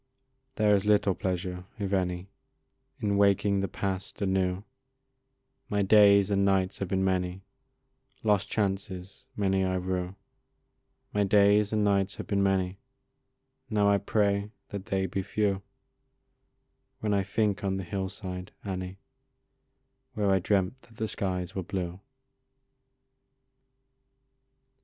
There is little pleasure, if any, In waking the past anew; My days and nights have been many; Lost chances many I rue My days and nights have been many; Now I pray that they be few, When I think on the hill side, Annie, Where I dreamt that the skies were blue.